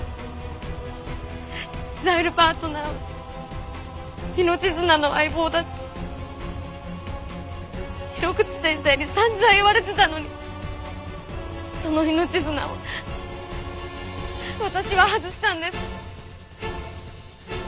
ザイルパートナーは命綱の相棒だって井ノ口先生に散々言われてたのにその命綱を私は外したんです。